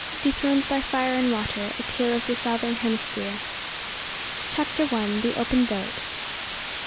DETHRONED BY FIRE AND WATER A TALE OF THE SOUTHERN HEMISPHERE. THE OPEN BOAT.